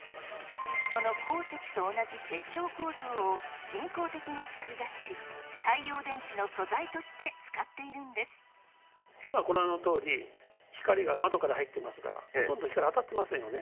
その鉱石と同じ結晶構造を、人工的に作り出し、太陽電池の素今ご覧のとおり、光が窓から入ってますが、ほとんど光当たってませんよね。